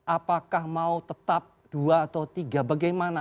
apakah mau tetap dua atau tiga bagaimana